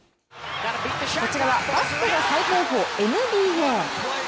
こちらはバスケの最高峰ＮＢＡ。